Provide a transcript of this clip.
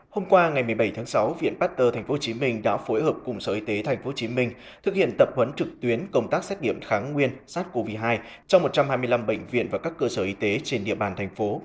hôm qua ngày một mươi bảy tháng sáu viện pasteur tp hcm đã phối hợp cùng sở y tế tp hcm thực hiện tập huấn trực tuyến công tác xét nghiệm kháng nguyên sars cov hai cho một trăm hai mươi năm bệnh viện và các cơ sở y tế trên địa bàn thành phố